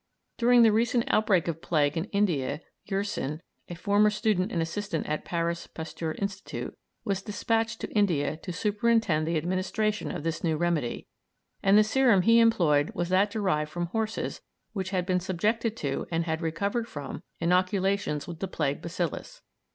During the recent outbreak of plague in India, Yersin, formerly a student and assistant at the Paris Pasteur Institute, was despatched to India to superintend the administration of this new remedy, and the serum he employed was that derived from horses which had been subjected to, and had recovered from, inoculations with the plague bacillus.